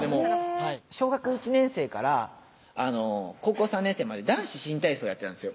小学１年生から高校３年生まで男子新体操やってたんですよ